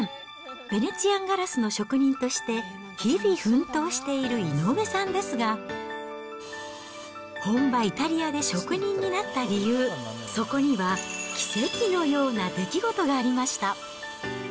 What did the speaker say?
ヴェネツィアンガラスの職人として、日々奮闘している井上さんですが、本場、イタリアで職人になった理由、そこには奇跡のような出来事がありました。